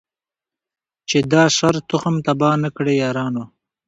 چي د شر تخم تباه نه کړی یارانو